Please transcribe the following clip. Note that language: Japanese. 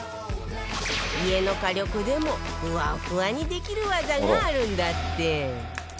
家の火力でもふわふわにできる技があるんだって